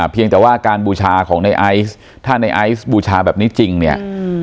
เพียงแต่ว่าการบูชาของในไอซ์ถ้าในไอซ์บูชาแบบนี้จริงเนี่ย